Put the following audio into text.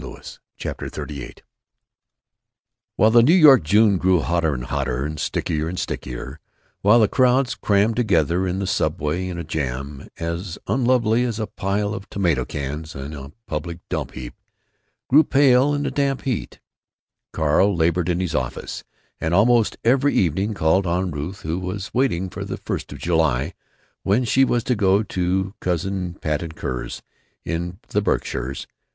CHAPTER XXXVIII hile the New York June grew hotter and hotter and stickier and stickier, while the crowds, crammed together in the subway in a jam as unlovely as a pile of tomato cans on a public dump heap, grew pale in the damp heat, Carl labored in his office, and almost every evening called on Ruth, who was waiting for the first of July, when she was to go to Cousin Patton Kerr's, in the Berkshires.